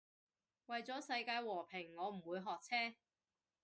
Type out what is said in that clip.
為咗世界和平我唔會學車